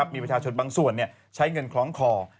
มีประชาชนบางส่วนใช้เงินคล้องคอ